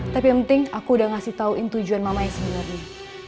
tapi yang penting aku udah ngasih tauin tujuan mamanya sebenernya